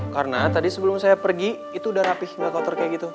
karena tadi sebelum saya pergi itu udah rapih gak kotor kayak gitu